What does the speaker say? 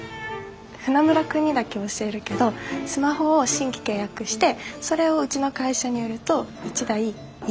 船村くんにだけ教えるけどスマホを新規契約してそれをうちの会社に売ると１台２０万円もらえるよ。